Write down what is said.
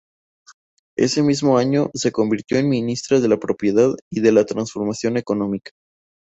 Ese mismo año, se convirtió en Ministra de la Propiedad y la Transformación Económica.